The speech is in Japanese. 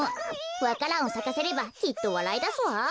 わか蘭をさかせればきっとわらいだすわ。